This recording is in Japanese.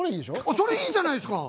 それいいじゃないですか。